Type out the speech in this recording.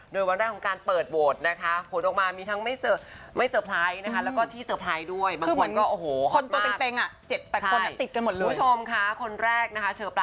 โดยวันแรกของการเปิดโหวตนะคะ